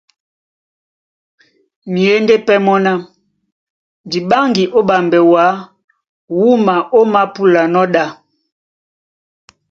Myěndé pɛ́ mɔ́ ná :Di ɓáŋgi ó ɓambɛ wǎ wúma ómāpúlanɔ́ ɗá.